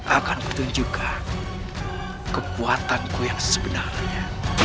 akan kutunjukkan kekuatanku yang sebenarnya